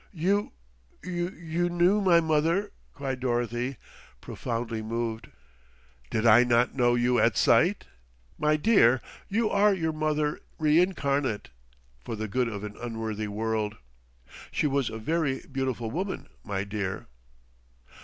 "You y you knew my mother?" cried Dorothy, profoundly moved. "Did I not know you at sight? My dear, you are your mother reincarnate, for the good of an unworthy world. She was a very beautiful woman, my dear."